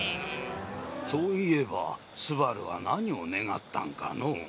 そういえば昴は何を願ったんかのう？